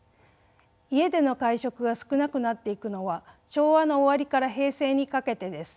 家での会食が少なくなっていくのは昭和の終わりから平成にかけてです。